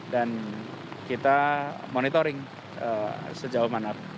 dan kita monitoring sejauh mana